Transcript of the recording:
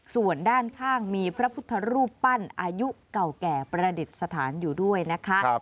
ส่วนด้านข้างมีพระพุทธรูปปั้นอายุเก่าแก่ประดิษฐานอยู่ด้วยนะคะ